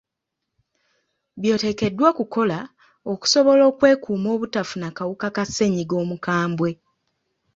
By’oteekeddwa okukola okukola okusobola okwekuuma obutafuna kawuka ka ssennyiga omukambwe.